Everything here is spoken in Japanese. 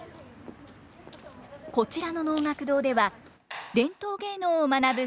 こちらの能楽堂では伝統芸能を学ぶ